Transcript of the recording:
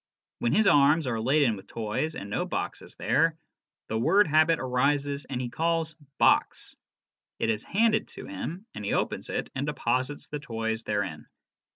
When his arms are laden with toys and no box is there, the word habit arises and he calls ' box '; it is handed to him and he opens it and deposits the toys therein.